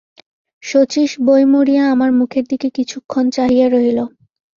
শচীশ বই মুড়িয়া আমার মুখের দিকে কিছুক্ষণ চাহিয়া রহিল।